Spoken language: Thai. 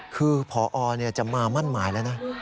คือพอจะมามั่นหมายแล้วนะ